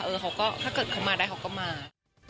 เขาก็ถ้าเกิดเขามาได้เขาก็มา